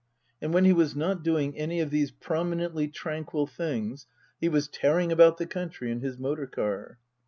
And when he was not doing any of these promi nently tranquil things he was tearing about the country in his motor car.